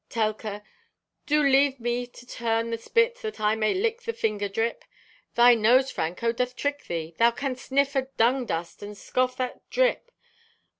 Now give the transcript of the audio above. (Telka) "Do leave me for to turn the spit that I may lick the finger drip. Thy nose, Franco, doth trick thee. Thou canst sniff o' dung dust and scoff at drip.